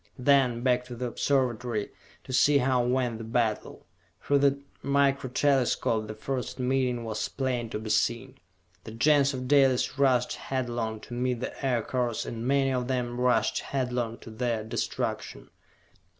Then, back to the Observatory, to see how went the battle. Through the Micro Telescopes the first meeting was plain to be seen. The Gens of Dalis rushed headlong to meet the Aircars and many of them rushed headlong to their destruction.